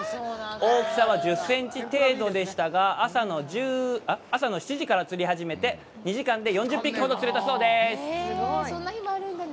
大きさは１０センチ程度でしたが、朝の７時から釣り始めて、２時間で４０匹ほど釣れたそうです。